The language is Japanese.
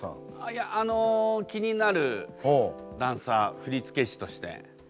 いやあの気になるダンサー振付師として。